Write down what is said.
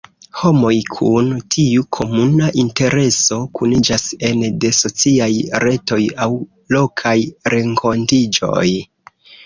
Homoj kun tiu komuna intereso kuniĝas ene de sociaj retoj aŭ lokaj renkontiĝoj.